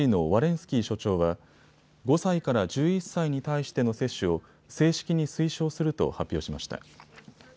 スキー所長は５歳から１１歳に対しての接種を正式に推奨すると発表しました。